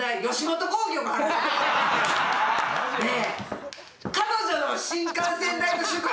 ねえ。